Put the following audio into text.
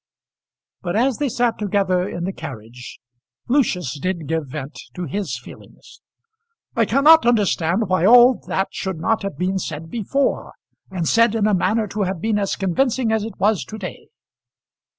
But as they sat together in the carriage Lucius did give vent to his feelings. "I cannot understand why all that should not have been said before, and said in a manner to have been as convincing as it was to day."